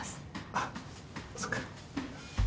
あっそうか。